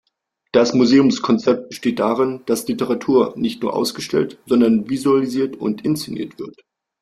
Das Museumskonzept besteht darin, dass Literatur nicht nur ausgestellt, sondern visualisiert und inszeniert wird.